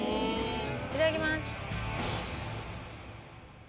いただきます。